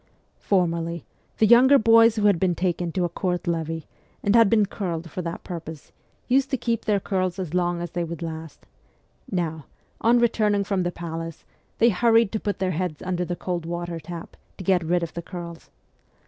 Formerly, the younger boys who had been taken to a court levee, and had been curled for that purpose, used to keep their curls as long as they would last ; now, on returning from the palace, they hurried to put their heads under the cold water tap, to get rid of the curls.